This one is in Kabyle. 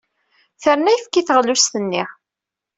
Terna ayefki i teɣlust-nni.